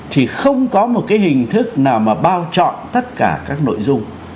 thì không có một cái hình thức nào mà bao chọn tất cả các nội dung